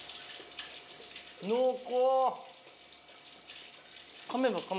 濃厚！